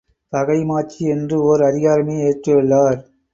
பகைமாட்சி என்று ஒர் அதிகாரமே இயற்றியுள்ளார்.